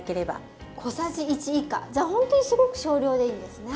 じゃほんとにすごく少量でいいんですね。